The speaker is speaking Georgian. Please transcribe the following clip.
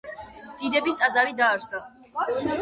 დიდების ტაძარი, დაარსდა.